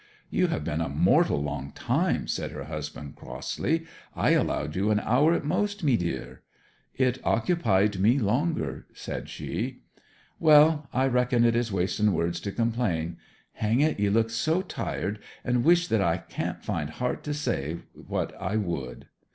'You have been a mortal long time!' said her husband, crossly. 'I allowed you an hour at most, mee deer.' 'It occupied me longer,' said she. 'Well I reckon it is wasting words to complain. Hang it, ye look so tired and wisht that I can't find heart to say what I would!'